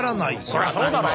そりゃそうだろ。